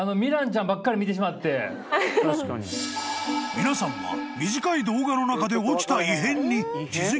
［皆さんは短い動画の中で起きた］